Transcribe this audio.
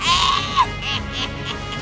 berhasil krakeni aku